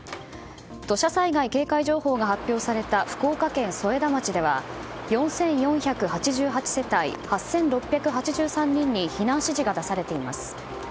土砂災害警戒情報が発表された福岡県添田町では４４８８世帯８６８３人に避難指示が出されています。